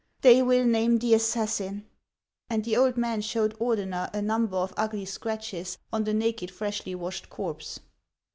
They will name the assassin." And the old man showed Ordener a number of ugly scratches on the naked, freshly washed corpse.